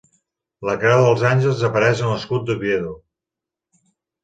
La Creu dels Àngels apareix en l'escut d'Oviedo.